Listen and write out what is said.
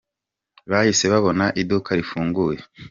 Bahise babona iduka rifunguye.